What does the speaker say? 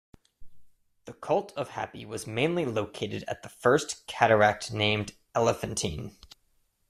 The cult of Hapi was mainly located at the First Cataract named Elephantine.